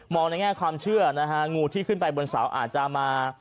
ในแง่ความเชื่อนะฮะงูที่ขึ้นไปบนเสาอาจจะมา